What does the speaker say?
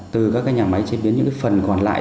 từ các nhà máy chế biến những cái phần còn lại